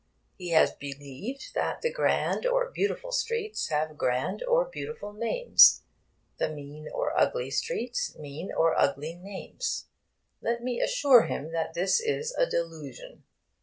He has believed that the grand or beautiful streets have grand or beautiful names, the mean or ugly streets mean or ugly names. Let me assure him that this is a delusion.